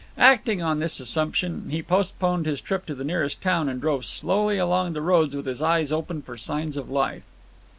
Acting on this assumption, he postponed his trip to the nearest town and drove slowly along the roads with his eyes open for signs of life.